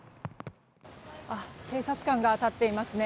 警察官が立っていますね。